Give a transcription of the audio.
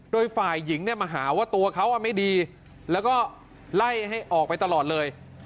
โดยฝ่ายหญิงเนี่ยมาหาว่าตัวเขาไม่ดีแล้วก็ไล่ให้ออกไปตลอดเลย